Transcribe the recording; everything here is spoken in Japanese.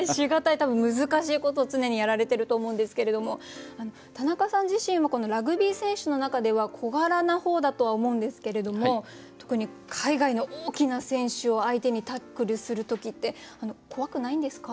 多分難しいことを常にやられてると思うんですけれども田中さん自身はこのラグビー選手の中では小柄な方だとは思うんですけれども特に海外の大きな選手を相手にタックルする時って怖くないんですか？